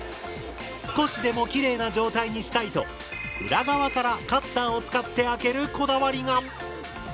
少しでもきれいな状態にしたいと裏側からカッターを使って開けるこだわりが！